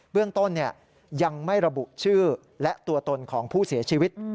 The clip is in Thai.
เรื่องต้นยังไม่ระบุชื่อและตัวตนของผู้เสียชีวิต